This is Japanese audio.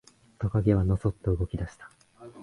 トカゲはのそっと動き出した。